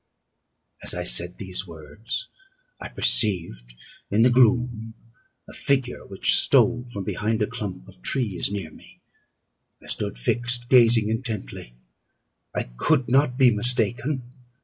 As I said these words, I perceived in the gloom a figure which stole from behind a clump of trees near me; I stood fixed, gazing intently: I could not be mistaken.